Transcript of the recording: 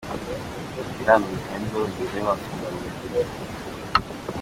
Ntibiramenyekana niba na bagenzi be bafunguwe.